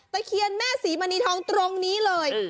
เคียนแม่ศรีมณีทองตรงนี้เลย